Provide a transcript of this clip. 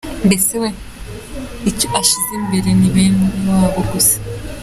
Mbese we icyo ashyize imbere ni bene wabo gusa.